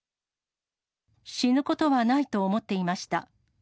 死ぬことはないと思っていました。